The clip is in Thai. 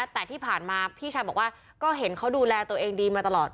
แต่ที่ผ่านมาพี่ชายบอกว่าก็เห็นเขาดูแลตัวเองดีมาตลอด